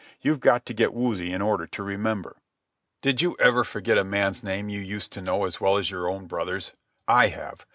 You've got to get woozy in order to remember." "Did you ever forget a man's name you used to know as well as your own brother's? I have.